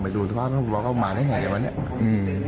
ผมไปดูสภาพบุพก็มาได้ไงกันวันเนี่ย